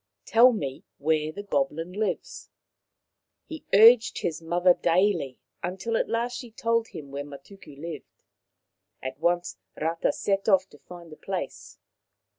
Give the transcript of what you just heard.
Tell me where the goblin lives.' ' He urged his mother daily, till at last she told him where Matuku lived. At once Rata set off to find the place.